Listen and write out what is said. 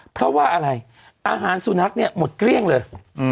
เพราะว่าอะไรอาหารสุนัขเนี่ยหมดเกลี้ยงเลย